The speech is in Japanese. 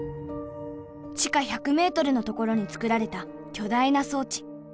地下１００ｍの所につくられた巨大な装置。